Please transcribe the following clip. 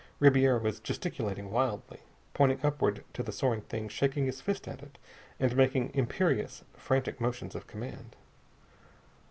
Ribiera was gesticulating wildly, pointing upward to the soaring thing, shaking his fist at it, and making imperious, frantic motions of command.